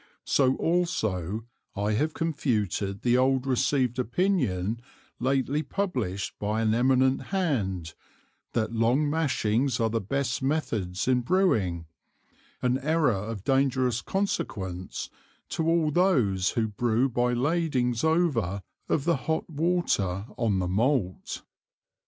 So also I have confuted the old received Opinion lately published by an Eminent Hand, that long Mashings are the best Methods in Brewing; an Error of dangerous Consequence to all those who brew by Ladings over of the hot Water on the Malt.